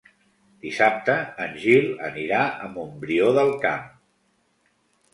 Dissabte en Gil anirà a Montbrió del Camp.